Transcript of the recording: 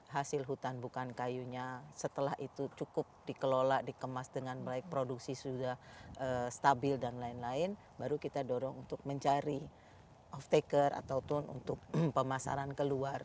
hasil hutan bukan kayunya setelah itu cukup dikelola dikemas dengan baik produksi sudah stabil dan lain lain baru kita dorong untuk mencari off taker atau tone untuk pemasaran keluar